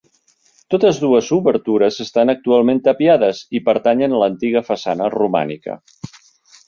Totes dues obertures estan actualment tapiades, i pertanyen a l'antiga façana romànica.